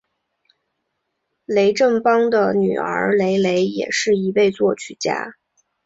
雷振邦的女儿雷蕾也是一位作曲家。